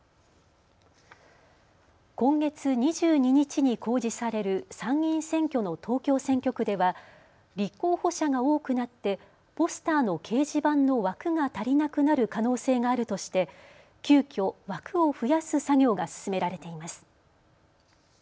今月２２日に公示される参議院選挙の東京選挙区では立候補者が多くなってポスターの掲示板の枠が足りなくなる可能性があるとして急きょ枠を増やす作業が進められています。